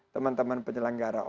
teman teman penyelenggara ops